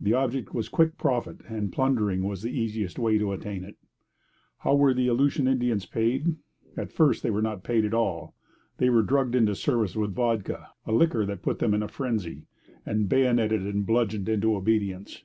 The object was quick profit, and plundering was the easiest way to attain it. How were the Aleutian Indians paid? At first they were not paid at all. They were drugged into service with vodka, a liquor that put them in a frenzy; and bayoneted and bludgeoned into obedience.